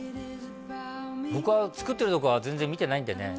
僕は作ってるとこは全然見てないんでね